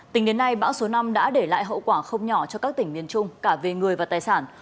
tính đến nay bão số năm đã để lại hậu quả không nhỏ cho các tỉnh miền trung cả về người và tài sản